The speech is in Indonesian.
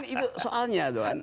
itu soalnya tuhan